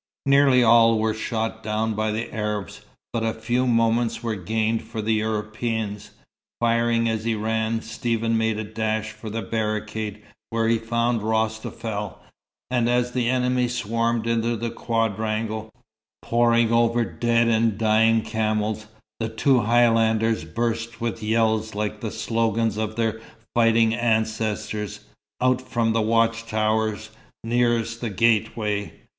Nearly all were shot down by the Arabs, but a few moments were gained for the Europeans. Firing as he ran, Stephen made a dash for the barricade, where he found Rostafel, and as the enemy swarmed into the quadrangle, pouring over dead and dying camels, the two Highlanders burst with yells like the slogans of their fighting ancestors, out from the watch towers nearest the gateway.